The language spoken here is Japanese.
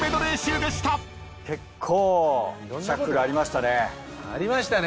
結構シャッフルありましたね。